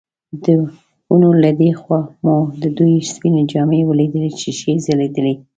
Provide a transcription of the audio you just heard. د ونو له دې خوا مو د دوی سپینې جامې ولیدلې چې ښې ځلېدې.